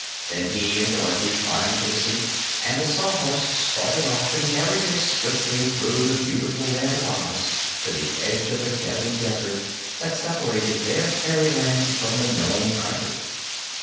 Then he and Dorothy climbed to the seat and the Sawhorse started off and carried them swiftly through the beautiful Land of Oz to the edge of the Deadly Desert that separated their fairyland from the Nome Country.